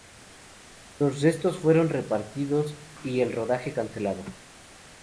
Los restos fueron repatriados y el rodaje cancelado.